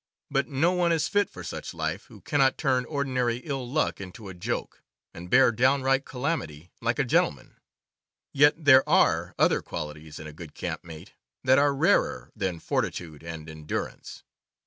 But no one is fit for such life who cannot turn ordinary ill luck into a joke, and bear downright calamity like a gentleman. Yet there are other qualities in a good camp mate that are rarer than fortitude and endurance.